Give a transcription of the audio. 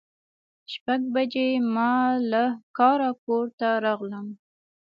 شپږ بجې ما له کاره کور ته راغلم.